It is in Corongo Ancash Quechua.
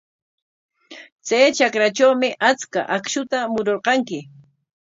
Chay trakratrawmi achka akshuta mururqanki.